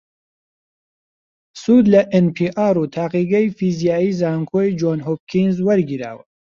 سود لە ئێن پی ئاڕ و تاقیگەی فیزیایی زانکۆی جۆن هۆپکینز وەرگیراوە